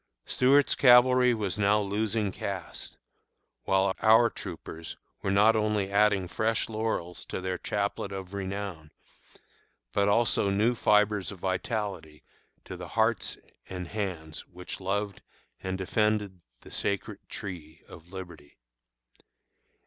Stuart's cavalry was now losing caste, while our troopers were not only adding fresh laurels to their chaplet of renown, but also new fibres of vitality to the hearts and hands which loved and defended the sacred Tree of Liberty.